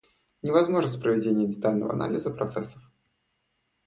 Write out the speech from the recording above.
Невозможность проведения детального анализа процессов